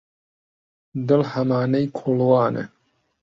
دڵ هەمانەی کۆڵوانە